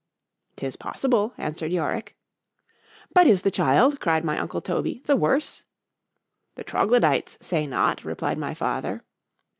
'Tis possible, answered Yorick.—But is the child, cried my uncle Toby, the worse?—The Troglodytes say not, replied my father.